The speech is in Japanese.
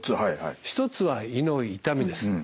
一つは胃の痛みです。